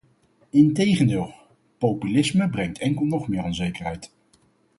Integendeel, populisme brengt enkel nog meer onzekerheid.